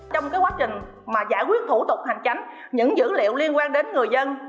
trong quá trình giải quyết thủ tục hành tránh những dữ liệu liên quan đến người dân